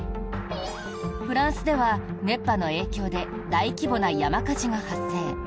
フランスでは、熱波の影響で大規模な山火事が発生。